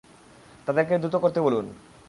তাদেরকে দ্রুত করতে বলুন।